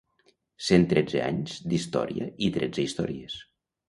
Cent tretze anys d’història i tretze històries.